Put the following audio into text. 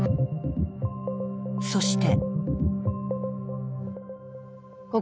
そして。